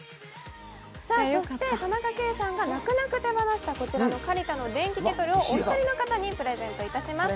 そして田中圭さんが泣く泣く手放した、こちらのＫａｌｉｔａの電気ケトルをお二人の方にプレゼントします。